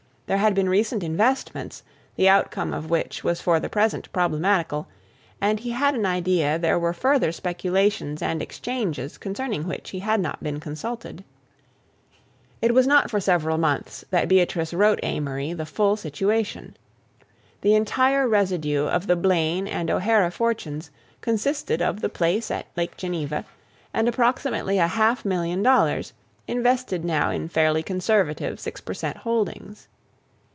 There had been recent investments, the outcome of which was for the present problematical, and he had an idea there were further speculations and exchanges concerning which he had not been consulted. It was not for several months that Beatrice wrote Amory the full situation. The entire residue of the Blaine and O'Hara fortunes consisted of the place at Lake Geneva and approximately a half million dollars, invested now in fairly conservative six per cent holdings.